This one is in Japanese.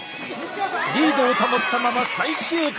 リードを保ったまま最終回！